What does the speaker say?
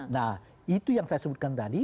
nah itu yang saya sebutkan tadi